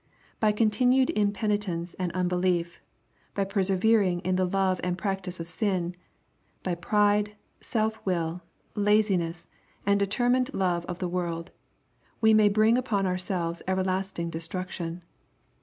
By continued impenitence and unbelief, by persevering in the love and practice of sin, by pride, self will, laziness, and determined love of the world, we may bring upon ourselves everlasting destruction.